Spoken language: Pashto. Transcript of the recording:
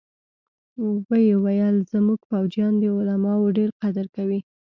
ويې ويل زمونګه فوجيان د علماوو ډېر قدر کوي.